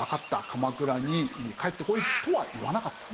鎌倉に帰ってこい」とは言わなかった。